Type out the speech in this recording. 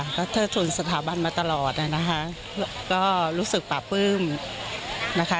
ก็เทิดทุนสถาบันมาตลอดนะคะก็รู้สึกปราบปลื้มนะคะ